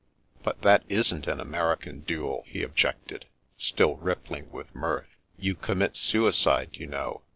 " But that isn't an American duel," he objected, still rippling with mirth. " You commit suicide, you know.